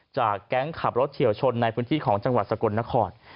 แก๊งขับรถเฉียวชนในพื้นที่ของจังหวัดสกลนคร